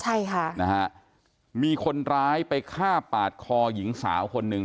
ใช่ค่ะนะฮะมีคนร้ายไปฆ่าปาดคอหญิงสาวคนหนึ่ง